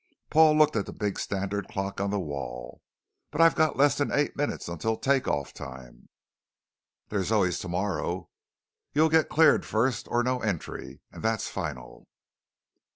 Paul looked at the big standard clock on the wall. "But I've got less than eight minutes until take off time." "There's always tomorrow. You'll get cleared first or no entry! And that's final."